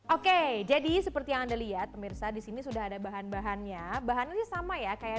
oke jadi seperti yang anda lihat pemirsa disini sudah ada bahan bahannya bahannya sama ya kayak